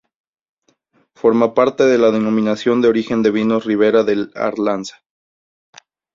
Forma parte de la Denominación de Origen de vinos Ribera del Arlanza.